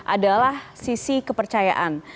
adalah sisi kepercayaan